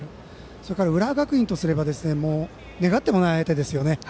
それから、浦和学院としては願ってもない相手ですよね。